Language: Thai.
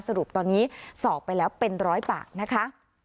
สรุปตอนนี้สอบไปแล้วเป็นร้อยปากนะคะ